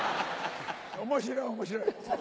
面白い面白い。